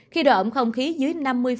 khi độ ấm không khí dưới năm mươi